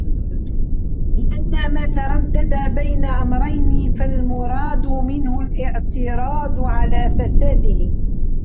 لِأَنَّ مَا تَرَدَّدَ بَيْنَ أَمْرَيْنِ فَالْمُرَادُ مِنْهُ الِاعْتِرَاضُ عَلَى فَسَادِهِ